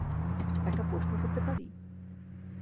একটা প্রশ্ন করতে পারি?